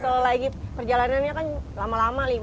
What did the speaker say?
kalau lagi perjalanannya kan lama lama nih